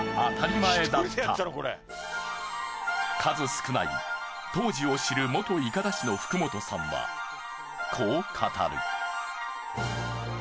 数少ない当時を知る元筏師の福本さんはこう語る。